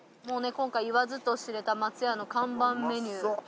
もう今回言わずと知れた松屋の看板メニュー。